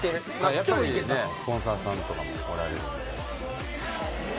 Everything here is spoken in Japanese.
やっぱりスポンサーさんとかもおられるんで。